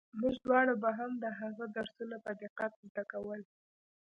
موږ دواړو به هم د هغه درسونه په دقت زده کول.